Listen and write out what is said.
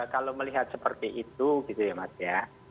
kalau melihat seperti itu gitu ya mas ya